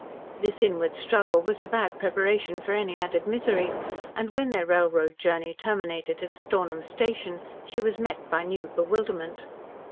This inward struggle was a bad preparation for any added misery, and when their railroad journey terminated at Stornham Station she was met by new bewilderment.